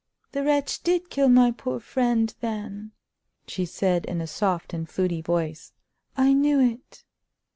"The wretch did kill my poor friend, then," she said in a soft and fluty voice. "I knew it!"